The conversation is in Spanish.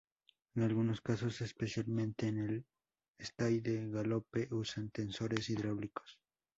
En algunos casos, especialmente en el estay de galope usan tensores hidráulicos.